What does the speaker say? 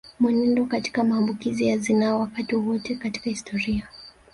Mwenendo katika maambukizi ya zinaa Wakati wowote katika historia